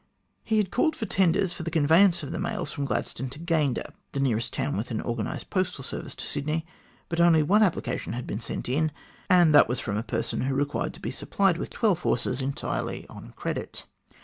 He had called for tenders for the conveyance of the mails from Gladstone to Gayndah, the nearest town with an organised postal service to Sydney, but only one application had been sent in, and that was from a person who required to be supplied with twelve horses entirely on credit.